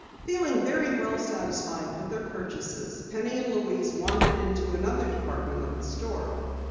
Feeling very well satisfied with their purchases, Penny and Louise wandered into another department of the store.